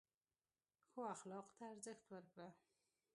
ښو اخلاقو ته ارزښت ورکړه.